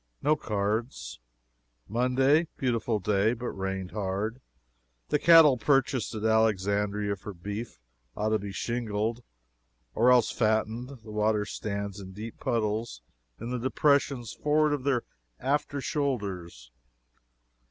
No cards. "Monday Beautiful day, but rained hard. The cattle purchased at Alexandria for beef ought to be shingled. Or else fattened. The water stands in deep puddles in the depressions forward of their after shoulders.